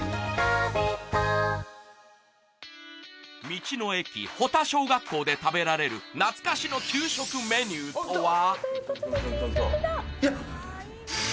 道の駅・保田小学校で食べられる懐かしの給食メニューとは？